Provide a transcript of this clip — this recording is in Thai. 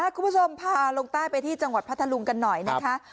คุณผู้ชมพาลงใต้ไปที่จังหวัดพัทธลุงกันหน่อยนะคะ